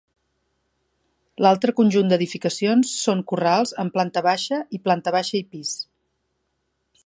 L'altre conjunt d'edificacions són corrals amb planta baixa, i planta baixa i pis.